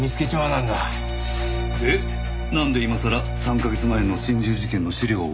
でなんで今さら３カ月前の心中事件の資料を？